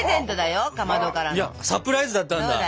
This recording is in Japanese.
サプライズだったんだ。